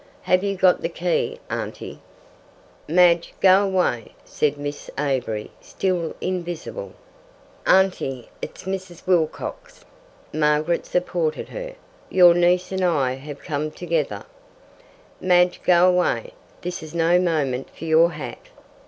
"Have you got the key, auntie?" "Madge, go away," said Miss Avery, still invisible. "Auntie, it's Mrs. Wilcox " Margaret supported her. "Your niece and I have come together " "Madge, go away. This is no moment for your hat."